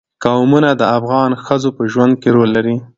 قومونه د افغان ښځو په ژوند کې رول لري.